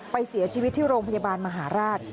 เสียชีวิตที่โรงพยาบาลมหาราช